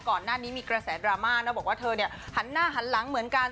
ก่อนหน้านี้มีกระแสดราม่านะบอกว่าเธอเนี่ยหันหน้าหันหลังเหมือนกัน